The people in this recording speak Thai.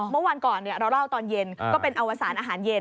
เมื่อวานก่อนเราเล่าตอนเย็นก็เป็นอวสารอาหารเย็น